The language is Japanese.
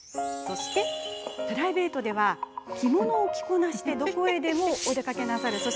プライベートでは着物を着こなしてどこへでもお出かけ。